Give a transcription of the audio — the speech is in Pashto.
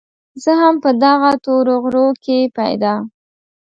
زه هم په دغه تورو غرو کې پيدا